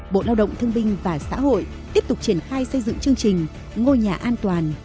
bộ lao động thương binh và xã hội tiếp tục triển khai xây dựng chương trình ngôi nhà an toàn